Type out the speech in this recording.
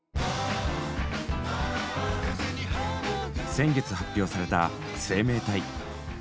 先月発表された「生命体」。